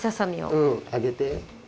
うんあげて。